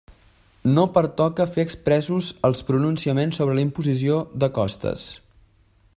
No pertoca fer expressos els pronunciaments sobre la imposició de costes.